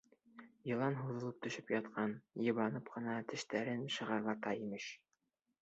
Йылан һуҙылып төшөп ятҡан, йыбанып ҡына тештәрен шығырлата, имеш.